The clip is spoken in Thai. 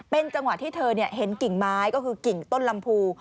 เป็นจังหวะที่เธอเห็นกิ่งไม้ก็คือกิ่งต้นลำพู